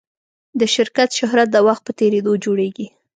د شرکت شهرت د وخت په تېرېدو جوړېږي.